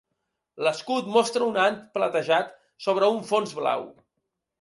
L'escut mostra un ant platejat sobre un fons blau.